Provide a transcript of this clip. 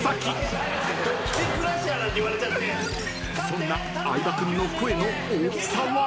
［そんな相葉君の声の大きさは？］